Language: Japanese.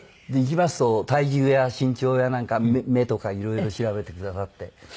で行きますと体重や身長やなんか目とか色々調べてくださって。